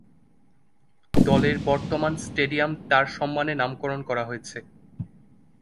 দলের বর্তমান স্টেডিয়াম তার সম্মানে নামকরণ করা হয়েছে।